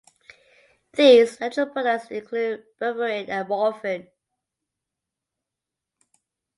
These natural products include berberine and morphine.